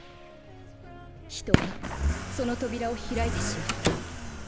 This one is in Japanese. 人はその扉を開いてしまった。